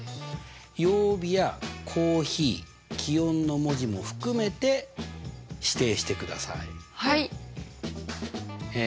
曜日やコーヒー気温の文字も含めて指定してください。